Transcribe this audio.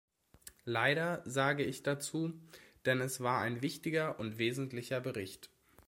Leider, sage ich dazu, denn es war ein wichtiger und wesentlicher Bericht.